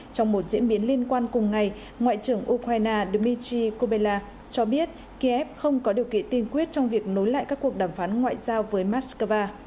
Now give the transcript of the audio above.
trong một diễn biến liên quan cùng ngày ngoại trưởng ukraine dmitry kobella cho biết kiev không có điều kiện tiên quyết trong việc nối lại các cuộc đàm phán ngoại giao với moscow